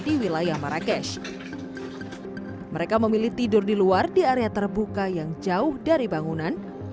di wilayah marrakesh mereka memilih tidur di luar di area terbuka yang jauh dari bangunan